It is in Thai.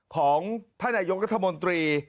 ของท่านนายกรัฐมนตรี